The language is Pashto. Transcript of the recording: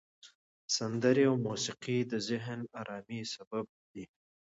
سندرې او موسیقي د ذهني آرامۍ سبب دي.